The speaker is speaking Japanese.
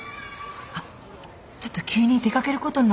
あっちょっと急に出掛けることになって。